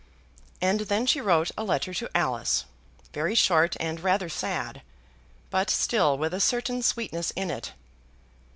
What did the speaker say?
And then she wrote a letter to Alice, very short and rather sad; but still with a certain sweetness in it.